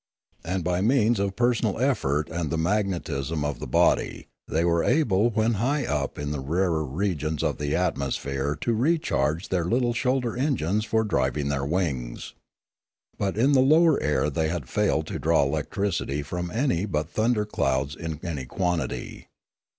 And by means of personal effort and the magnetism of the body they were able when high up in the rarer regions of the atmosphere to recharge their little shoulder en gines for driving their wings. But in the lower air they had failed to draw electricity, from any but thun der clouds in any quantity.